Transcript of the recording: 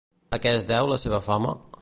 A què es deu la seva fama?